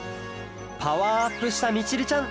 パワーアップしたみちるちゃん